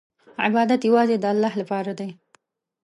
عبادت یوازې د الله لپاره دی.